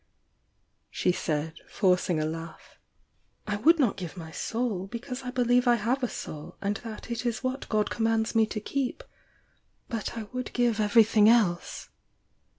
she said, forcing a laugh. "I would not give my soul, because I believe I have a soul, and that it is what God commands me to keep, — but I would give everything else!"